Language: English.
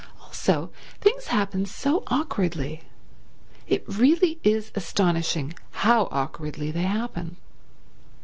Also things happened so awkwardly. It really is astonishing, how awkwardly they happen.